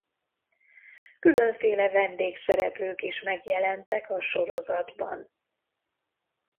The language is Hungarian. Különféle vendégszereplők is megjelentek a sorozatban.